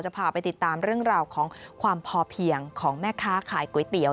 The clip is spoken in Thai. พาไปติดตามเรื่องราวของความพอเพียงของแม่ค้าขายก๋วยเตี๋ยว